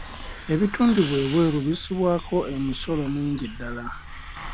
Ebitundibwa ebweru bissibwako emisolo mingi ddala.